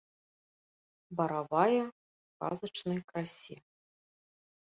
Баравая ў казачнай красе.